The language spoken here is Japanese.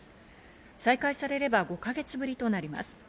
再開されれば５か月ぶりとなります。